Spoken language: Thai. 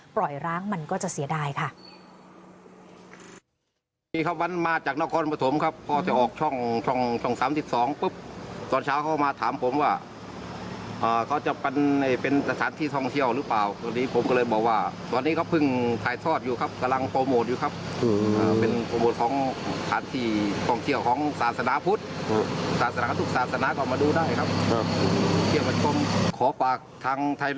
ร้างมันก็จะเสียดายค่ะ